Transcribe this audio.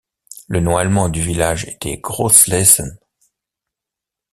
Le nom allemand du village était Groß-Lessen.